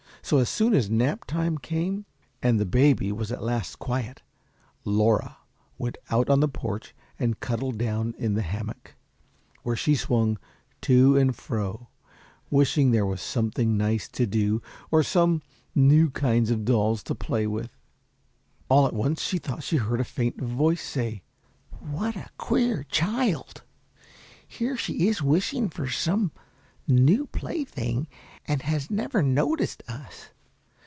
So as soon as nap time came, and baby was at last quiet, Laura went out on the porch and cuddled down in the hammock, where she swung to and fro, wishing there was something nice to do, or some new kinds of dolls to play with. All at once she thought she heard a faint voice say, "What a queer child! Here she is wishing for some new plaything, and has never noticed us.